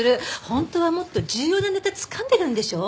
本当はもっと重要なネタつかんでるんでしょ？